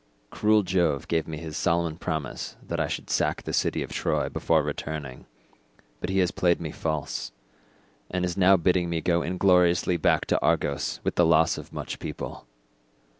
Cruel Jove gave me his solemn promise that I should sack the city of Troy before returning, but he has played me false, and is now bidding me go ingloriously back to Argos with the loss of much people.